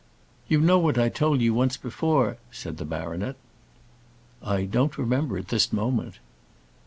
"You know what I told you once before," said the baronet. "I don't remember at this moment."